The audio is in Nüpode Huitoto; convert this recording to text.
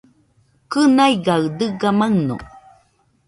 Kɨnaigaɨ dɨga maɨno.